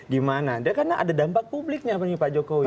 gimana dia karena ada dampak publiknya bagi pak jokowi